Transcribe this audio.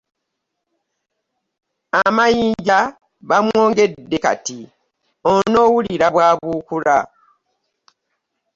Amayinja bamwongedde kati onoowulira bw'abuukula.